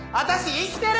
生きてる？